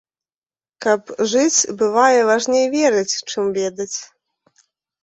Каб жыць, бывае важней верыць, чым ведаць.